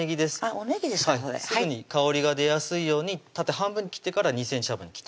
おねぎですかそれすぐに香りが出やすいように縦半分に切ってから２ｃｍ幅に切ってます